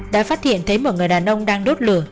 đã phát hiện thấy một người đàn ông đang đốt lửa